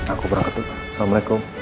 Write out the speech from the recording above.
aku berangkat dulu assalamualaikum